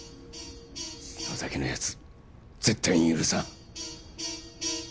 篠崎の奴絶対に許さん！